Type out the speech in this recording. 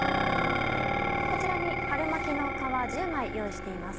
こちらに春巻きの皮１０枚用意しています。